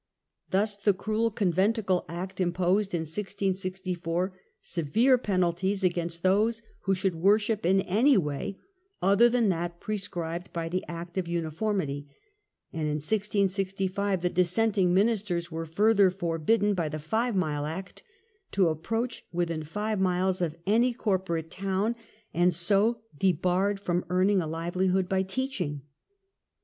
«^.....«. mt 1 1 >^• 1 A • J • Knglisn aim Thus the cruel Conventicle Act imposed m cuitics, 1665 1 664 severe penalties against those who should *^' worship in any way other than that prescribed by the Act of Uniformity; and in 1665 the Dissenting ministers were further forbidden by the Five Mile Act to approach within five miles of any corporate town, and so debarred from earning a livelihood by teaching.